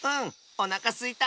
おなかすいた。